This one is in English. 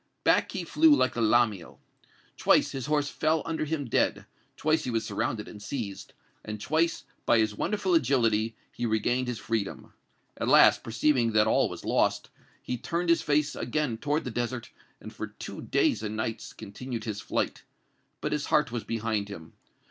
Back he flew like the lamiel. Twice his horse fell under him dead twice he was surrounded and seized, and twice, by his wonderful agility, he regained his freedom. At last, perceiving that all was lost, he turned his face again toward the desert, and, for two days and nights, continued his flight. But his heart was behind him.